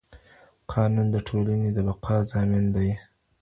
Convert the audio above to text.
قانون د ټولنې د بقا ضامن دی.